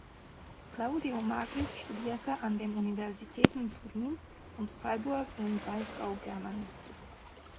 Claudio Magris studierte an den Universitäten Turin und Freiburg im Breisgau Germanistik.